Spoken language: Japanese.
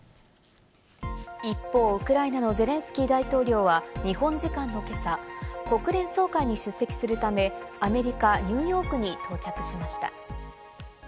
一方、ウクライナのゼレンスキー大統領は日本時間の今朝、国連総会に出席するため、アメリカ・ニューヨークに到着しました。